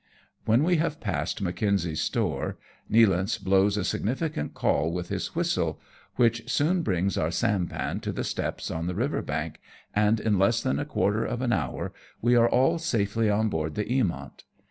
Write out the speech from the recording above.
When we have passed Mackenzie's store, Nealance blows a significant call with his whistle, which soon H 2 loo AMONG TYPHOONS AND PIRATE CRAFT. brings our sampan to the steps on the river bank, and in less than a quarter of an hour we are all safely on board the Eamont.